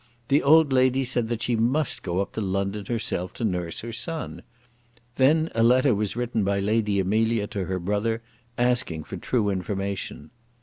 The old lady said that she must go up to London herself to nurse her son. Then a letter was written by Lady Amelia to her brother, asking for true information.